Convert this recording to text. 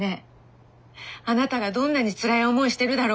あなたがどんなにつらい思いしてるだろうかと思って。